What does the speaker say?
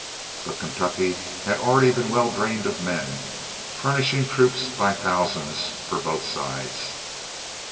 But Kentucky had already been well drained of men, furnishing troops by thousands for both sides.